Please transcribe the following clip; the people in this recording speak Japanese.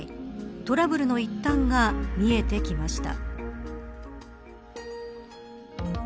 トラブルの一端が見えてきました。